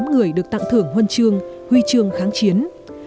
hai trăm hai mươi tám người được tặng thưởng huân chương huy chương kháng chiến